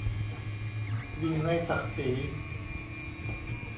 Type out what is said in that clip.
หยิ่งในศักดิ์ศรี